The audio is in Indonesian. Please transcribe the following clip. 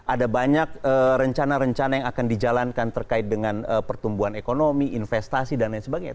ada banyak rencana rencana yang akan dijalankan terkait dengan pertumbuhan ekonomi investasi dan lain sebagainya